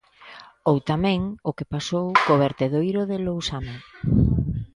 Ou tamén, o que pasou co vertedoiro de Lousame.